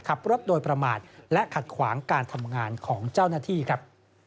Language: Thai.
ขับรถโดยประมาทและขัดขวางการทำงานของเจ้าหน้าที่ครับ